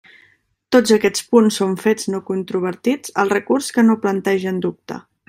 Tots aquests punts són fets no controvertits al recurs que no plantegen dubte.